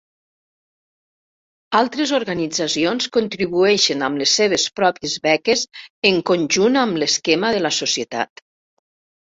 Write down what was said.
Altres organitzacions contribueixen amb les seves pròpies beques en conjunt amb l'esquema de la societat.